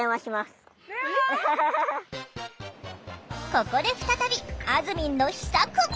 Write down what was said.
ここで再びあずみんの秘策！